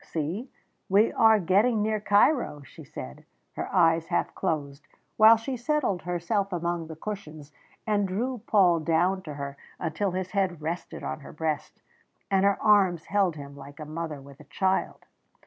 "See, we are getting near Cairo," she said, her eyes half closed, while she settled herself among the cushions, and drew Paul down to her until his head rested on her breast, and her arms held him like a mother with a child.